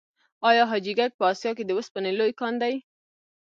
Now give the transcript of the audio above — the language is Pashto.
آیا حاجي ګک په اسیا کې د وسپنې لوی کان دی؟